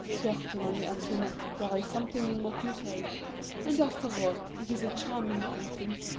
"Certainly, Antoinette, there is something in what you say. And, after all, it is a charming painting.